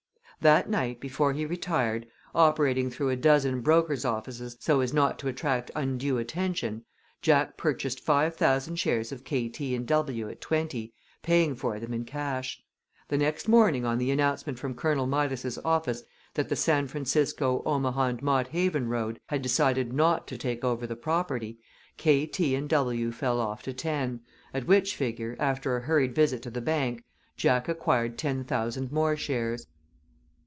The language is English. That night before he retired, operating through a dozen brokers' offices so as not to attract undue attention, Jack purchased five thousand shares of K., T. & W. at 20, paying for them in cash. The next morning on the announcement from Colonel Midas's office that the San Francisco, Omaha & Mott Haven road had decided not to take over the property, K., T. & W. fell off to 10, at which figure, after a hurried visit to the bank, Jack acquired ten thousand more shares.